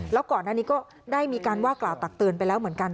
แล้วก่อนหน้านี้ก็ได้มีการว่ากล่าวตักเตือนไปแล้วเหมือนกัน